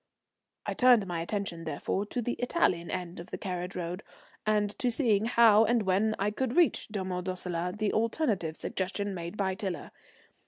I turned my attention, therefore, to the Italian end of the carriage road, and to seeing how and when I could reach Domo Dossola, the alternative suggestion made by Tiler.